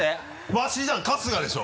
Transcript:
わしじゃん春日でしょ！